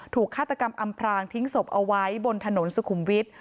ฆาตกรรมอำพรางทิ้งศพเอาไว้บนถนนสุขุมวิทย์